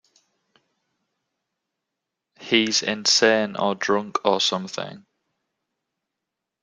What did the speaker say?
He's insane or drunk or something.